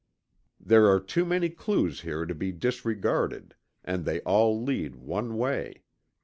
There are too many clews here to be disregarded, and they all lead one way.